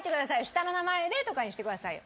下の名前でとかにしてくださいよ。